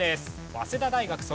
早稲田大学卒。